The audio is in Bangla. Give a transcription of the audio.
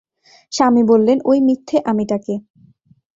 স্বামী বললেন, ঐ মিথ্যে-আমিটাকে।